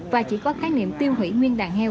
và chỉ có khái niệm tiêu hủy nguyên đàn heo